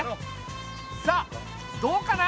さあどうかな？